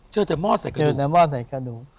เจอแต่หม้อใส่กระดูกเจอแต่หม้อใส่กระดูก